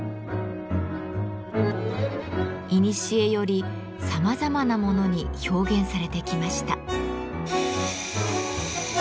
いにしえよりさまざまなものに表現されてきました。